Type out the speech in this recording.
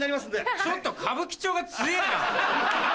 ちょっと歌舞伎町が強えぇな！